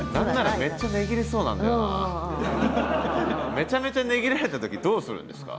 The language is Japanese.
めちゃめちゃ値切られた時どうするんですか？